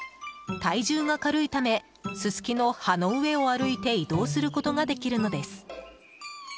体重が軽いためススキの葉の上を歩いて移動することができるのです。